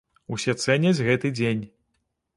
Усе цэняць гэты дзень.